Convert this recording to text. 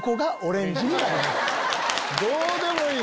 どうでもいい。